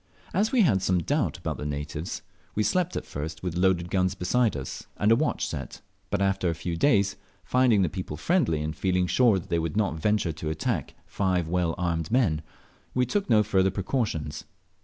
As we had some doubt about the natives, we slept at first with loaded guns beside us and a watch set; but after a few days, finding the people friendly, and feeling sure that they would not venture to attack five well armed men, we took no further precautions.